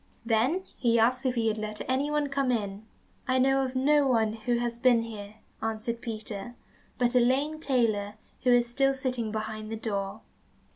Then he asked if he had let anyone come in. "I know of no one who has been here," answered Peter, "but a lame tailor, who is still sitting behind the door."